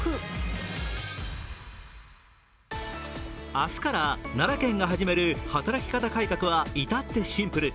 明日から奈良県が始める働き方改革は至ってシンプル。